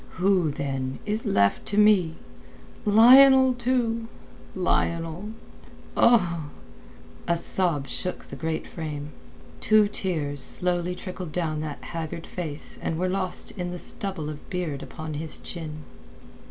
"Who, then, is left to me! Lionel too! Lionel!" A sob shook the great frame. Two tears slowly trickled down that haggard face and were lost in the stubble of beard upon his chin.